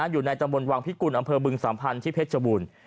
อยู่ในตำบลวังพิกุลอำเภอบึงสัมพันธ์ที่เพชรบูรณ์